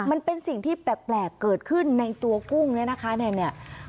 มันเป็นสิ่งที่แปลกเกิดขึ้นในตัวกุ้งเนี่ยนะคะเนี่ย